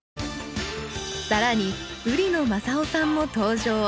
更に売野雅勇さんも登場。